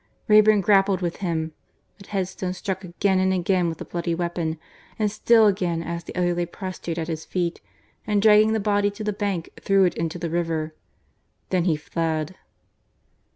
Wrayburn grappled with him, but Headstone struck again and again with the bloody weapon, and still again as the other lay prostrate at his feet, and dragging the body to the bank, threw it into the river. Then he fled.